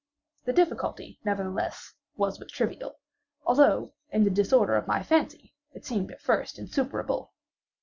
The difficulty, nevertheless, was but trivial; although, in the disorder of my fancy, it seemed at first insuperable.